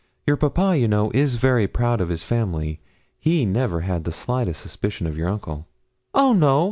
Your papa, you know, is very proud of his family he never had the slightest suspicion of your uncle.' 'Oh no!'